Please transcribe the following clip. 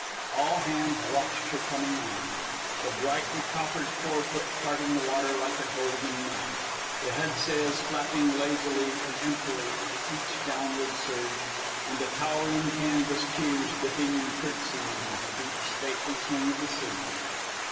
All hands watched her coming on the brightly coppered forefoot parting the water like a golden knife, the headsails flapping lazily and emptily at each downward surge, and the towering canvas tiers dipping and curtsying with each stately swing of the sea.